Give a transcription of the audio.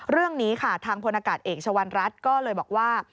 เรื่องนี้ค่ะทางพลนากาศเอกชวรรณรัฐก็เลยบอกว่า